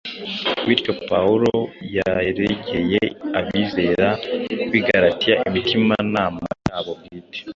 Bityo Pawulo yaregeye abizera b’i Galatiya imitimanama yabo bwite